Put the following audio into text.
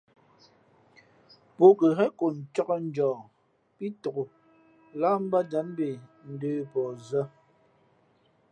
Pαh kάghen ko ncāk njαα pí tok láh batjǎm mbe ndə̌ pαh zᾱ.